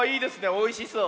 おいしそう。